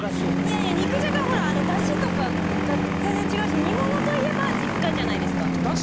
いやいや肉じゃがはだしとかが全然違うし煮物といえば実家じゃないですか。